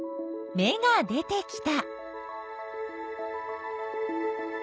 芽が出てきた。